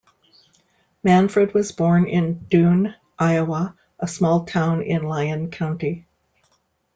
Manfred was born in Doon, Iowa, a small town in Lyon County.